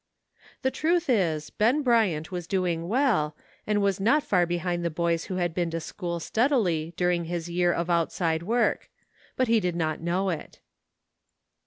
The truth is, Ben Bryant was doing well, and was not far behind the boys who had been to school steadily during his year of outside work ; but he did not know it.